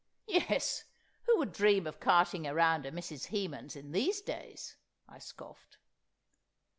"Yes, who would dream of carting around a Mrs. Hemans in these days?" I scoffed.